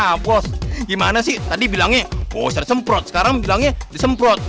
ah bos gimana sih tadi bilangnya bos tadi semprot sekarang bilangnya disemprot